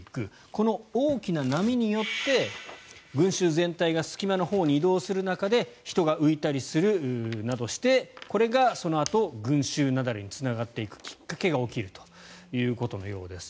この大きな波によって群衆全体が隙間のほうに移動する中で人が浮いたりするなどしてこれがそのあと群衆雪崩につながっていくきっかけが起きるということのようです。